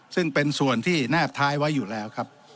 ซึ่งเป็นส่วนที่แนบท้ายไว้อยู่แล้วครับ